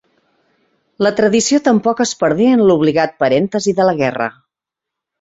La tradició tampoc es perdé en l'obligat parèntesi de la guerra.